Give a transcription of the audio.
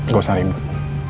gue usah ribet